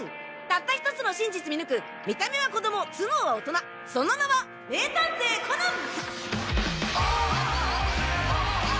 たった１つの真実見抜く見た目は子供頭脳は大人その名は名探偵コナン！